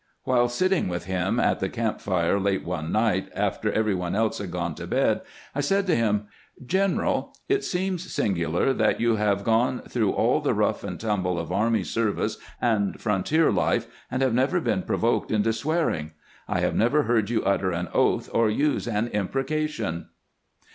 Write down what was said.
While sitting with him at the camp fire late one night, after every one else had gone to bed, I said to him: " General, it seems singular that you have gone through all the rough and tumble of army service and frontier life, and have never been provoked into swearing. I have never heard you utter an oath or use an impreca tion."